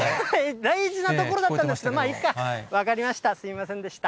大事なところだったんですけど、まっ、いいか、分かりました、すみませんでした。